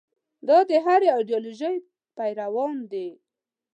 دا د هرې ایدیالوژۍ پیروانو ده.